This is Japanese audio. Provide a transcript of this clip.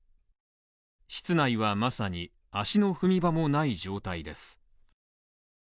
室内はまさに、足の踏み場もない状態です。